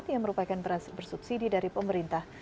yang merupakan beras bersubsidi dari pemerintah